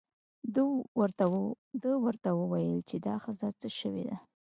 ده ورته وویل چې دا ښځه څه شوې ده.